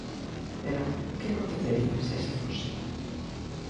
Pero, que acontecería se así fose?